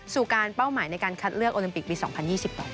สู่การเป้าหมายในการคัดเลือกโอลิมปิกปี๒๐๒ต่อ